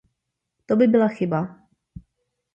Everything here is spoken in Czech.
To by byla chyba.